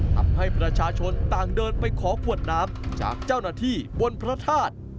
ทำให้ประชาชนต่างเดินไปขอขวดน้ำจากเจ้าหน้าที่บนพระธาตุ